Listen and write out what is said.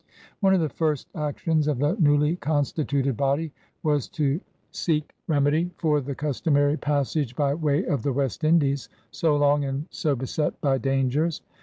One of the first actions of the newly constituted body was to seek remedy for the customary pas sage by way of the West Indies — so long and so beset by dangers.